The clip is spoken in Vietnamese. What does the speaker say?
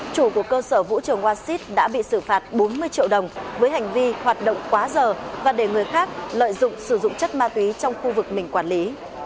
chủ của cơ sở vũ trường arcid đã bị xử phạt bốn mươi triệu đồng với hành vi hoạt động quá giờ và để người khác lợi dụng sử dụng chất ma túy trong khu vực mình quản lý